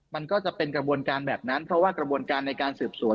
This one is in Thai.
มันก็จะเป็นกระบวนการแบบนั้นเพราะว่ากระบวนการในการสืบสวน